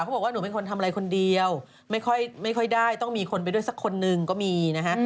บอกว่าหนูเป็นคนทำอะไรคนเดียวไม่ค่อยได้ต้องมีคนไปด้วยสักคนหนึ่งก็มีนะฮะ